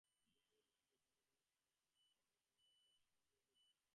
ইঁহাদের মধ্যে মজুমদারের সহিত আমার পূর্বে পরিচয় ছিল, আর চক্রবর্তী আমার নাম জানিতেন।